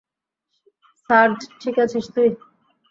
Surge, ঠিক আছিস তুই?